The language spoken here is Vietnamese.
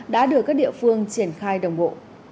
đã đưa các địa phương triển khai đồng hộ